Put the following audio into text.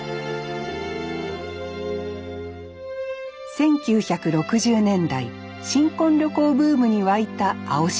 １９６０年代新婚旅行ブームに湧いた青島。